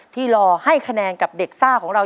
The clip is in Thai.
รอให้คะแนนกับเด็กซ่าของเรา